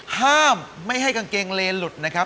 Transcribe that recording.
ห้ามไม่ให้กางเกงเลหลุดนะครับ